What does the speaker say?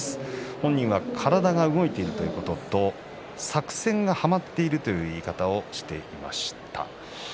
本人は体が動いているということと、作戦がはまっているという言い方をしていました。